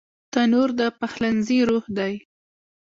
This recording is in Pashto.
تنور د پخلنځي روح دی